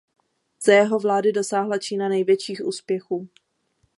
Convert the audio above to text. Za jeho vlády dosáhla Čína největších úspěchů.